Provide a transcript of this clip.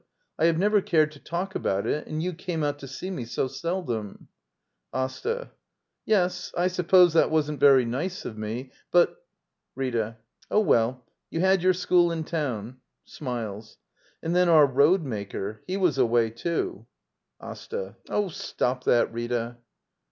I have never cared to talk about it, and you came out to see me so seldom — Asta. Yes, I suppose that wasn't very nice of me. But — Rita. Oh, well — you had your school in town. [Smiles.] And then our road maker — he was away, too. Asta. Oh, stop that, Rita.